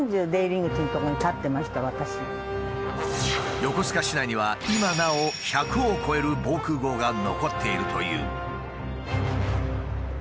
横須賀市内には今なお１００を超える防空壕が残っているという。